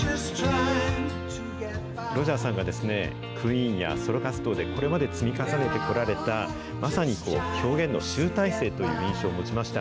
ロジャーさんがクイーンやソロ活動でこれまで積み重ねてこられた、まさに表現の集大成という印象を持ちました。